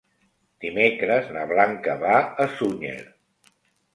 Dimecres na Blanca va a Sunyer.